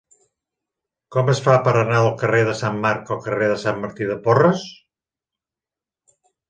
Com es fa per anar del carrer de Sant Marc al carrer de Sant Martí de Porres?